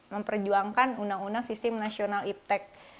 memperjuangkan undang undang sistem nasional iptec